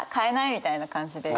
みたいな感じで。